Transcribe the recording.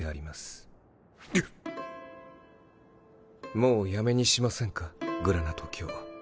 もうやめにしませんかグラナト卿。